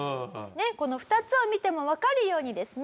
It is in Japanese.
ねえこの２つを見てもわかるようにですね